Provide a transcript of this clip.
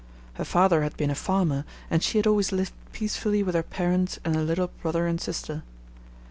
Her father had been a farmer, and she had always lived peacefully with her parents and her little brother and sister.